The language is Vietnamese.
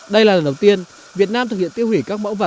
đây là lần đầu tiên việt nam thực hiện tiêu hủy